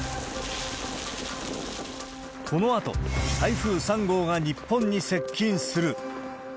このあと、台風３号が日本に接近する。